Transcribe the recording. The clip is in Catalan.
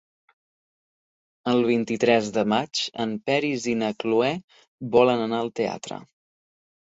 El vint-i-tres de maig en Peris i na Cloè volen anar al teatre.